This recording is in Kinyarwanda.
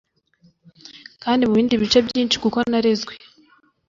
Kandi mubindi bice byinshi Kuko narezwe